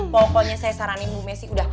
pokoknya saya saranin bu messi